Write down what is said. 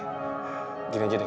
gini gini kita tunggu